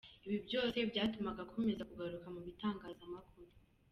Ibi byose byatumaga akomeza kugaruka mu bitangazamakuru.